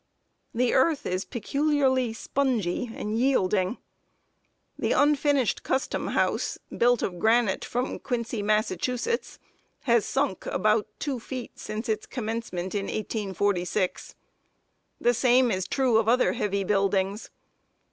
The earth is peculiarly spongy and yielding. The unfinished Custom House, built of granite from Quincy, Massachusetts, has sunk about two feet since its commencement, in 1846. The same is true of other heavy buildings.